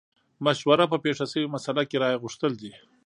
مشوره په پېښه شوې مسئله کې رايه غوښتل دي.